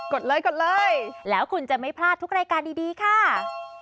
ก็รอดูแล้วกันเนาะ